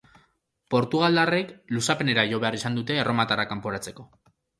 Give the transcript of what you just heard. Portugaldarrek luzapenera jo behar izan dute erromatarrak kanporatzeko.